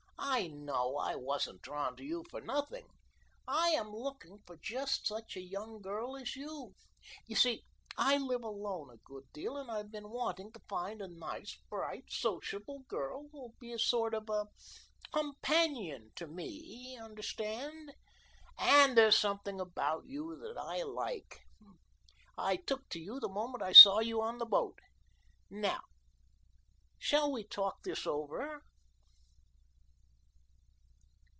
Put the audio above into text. "I know I wasn't drawn to you for nothing. I am looking for just such a young girl as you. You see, I live alone a good deal and I've been wanting to find a nice, bright, sociable girl who will be a sort of COMPANION to me. Understand? And there's something about you that I like. I took to you the moment I saw you on the boat. Now shall we talk this over?"